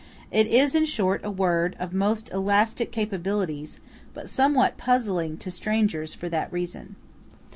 It is, in short, a word of most elastic capabilities; but somewhat puzzling to strangers for that reason.